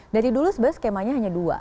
dari dulu sebenarnya skemanya hanya dua